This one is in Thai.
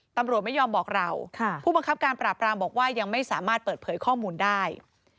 ตำรวจไม่ยอมบอกเราผู้บังคับการปราบรามบอกว่ายังไม่สามารถเปิดเผยข้อมูลได้